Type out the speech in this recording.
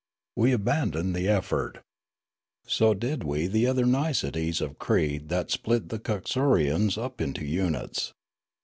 We abandoned the effort. So did we the other niceties of creed that o 26 Riallaro split the Coxurians up into units.